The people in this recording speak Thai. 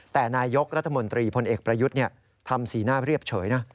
แต่นายกรัฐมนตรีพลเอกประยุทธ์ทำสีหน้าเรียบเฉยนะ